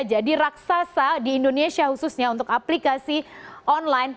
jadi raksasa di indonesia khususnya untuk aplikasi online